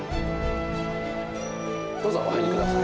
どうぞお入りください。